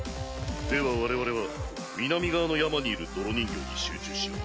では我々は南側の山にいる泥人形に集中しよう。